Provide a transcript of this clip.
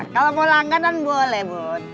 kalau mau langganan boleh bud